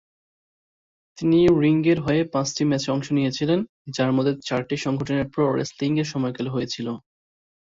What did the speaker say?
তিনি রিংয়ের হয়ে পাঁচটি ম্যাচে অংশ নিয়েছিলেন, যার মধ্যে চারটি সংগঠনের প্রো-রেসলিংয়ের সময়কালে হয়েছিল।